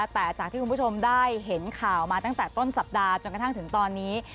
แต่จากที่คุณผู้ชมได้เห็นข่าวมาตั้งแต่ต้นสัปดาห์จนกระทั่งถึงตอนนี้